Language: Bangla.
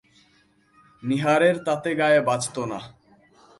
নীহারের তাতে গায়ে বাজত না।